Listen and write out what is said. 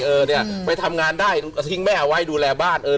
เออเนี่ยไปทำงานได้ทิ้งแม่เอาไว้ดูแลบ้านเออ